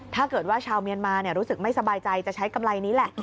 ชาวเมียนมารู้สึกไม่สบายใจจะใช้กำไรนี้แหละ